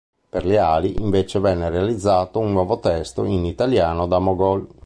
Per Leali, invece venne realizzato un nuovo testo in italiano da Mogol.